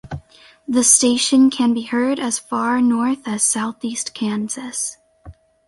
The station can be heard as far north as southeast Kansas.